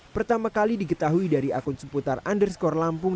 pertama kali diketahui dari akun seputar underscore lampung